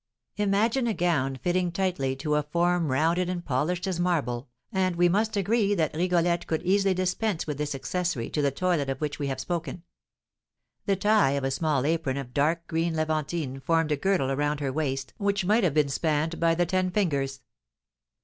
Imagine a gown fitting tightly to a form rounded and polished as marble, and we must agree that Rigolette could easily dispense with this accessory to the toilet of which we have spoken. The tie of a small apron of dark green levantine formed a girdle around a waist which might have been spanned by the ten fingers.